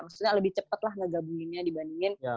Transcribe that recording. maksudnya lebih cepat lah ngegabunginnya dibandingin